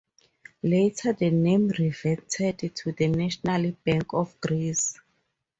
Later the name reverted to the National Bank of Greece.